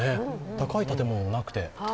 高い建物がなくて。